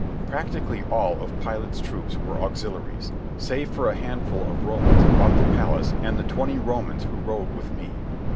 Practically all Pilate's troops were auxiliaries, save for a handful of Romans about the palace and the twenty Romans who rode with me.